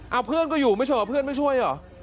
เอาเพื่อนก็อยู่ไม่เฉอเพื่อนไม่ช่วยเหรอ